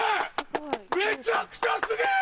めちゃくちゃすげぇ！